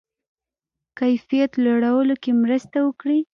کیفیت لوړونه کې مرسته وکړي.